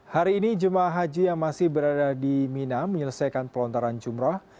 hari ini jemaah haji yang masih berada di mina menyelesaikan pelontaran jumrah